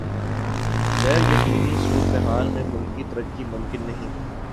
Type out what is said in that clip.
غیر یقینی صورتحال میں ملکی ترقی ممکن نہیں